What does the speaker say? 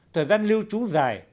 thời gian lưu trú dài